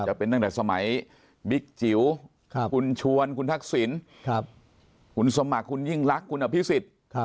จะเป็นตั้งแต่สมัยบิ๊กจิ๋วคุณชวนคุณทักษิณคุณสมัครคุณยิ่งรักคุณอภิษฎ